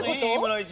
いい？